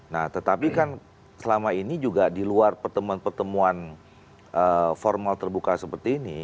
nah tetapi kan selama ini juga di luar pertemuan pertemuan formal terbuka seperti ini